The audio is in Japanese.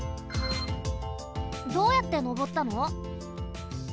どうやってのぼったの？